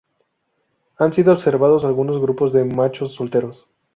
Han sido observados algunos grupos de machos solteros.